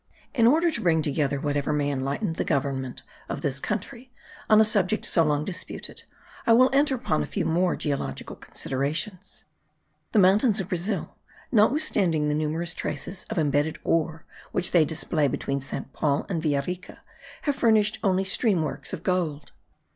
In order to bring together whatever may enlighten the government of this country on a subject so long disputed, I will enter upon a few more geological considerations. The mountains of Brazil, notwithstanding the numerous traces of embedded ore which they display between Saint Paul and Villa Rica, have furnished only stream works of gold.